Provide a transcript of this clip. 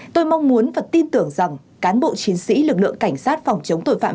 tôi mong muốn và tin tưởng rằng cán bộ chiến sĩ lực lượng cảnh sát phòng chống tội phạm